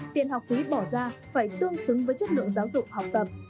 tiền học phí bỏ ra phải tương xứng với chất lượng giáo dục học tập